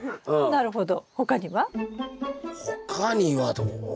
なるほど。